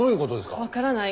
わからない。